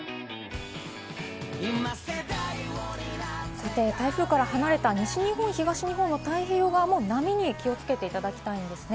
さて、台風から離れた西日本、東日本の太平洋側も波に気をつけていただきたいんですね。